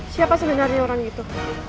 siapa sebenarnya orang itu